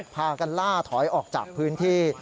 พากันล่าถอยออกจากพื้นที่